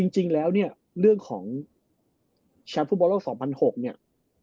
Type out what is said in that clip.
จริงแล้วเนี่ยเรื่องของแชมป์ฟุตบอลโลก๒๐๐๖เนี่ย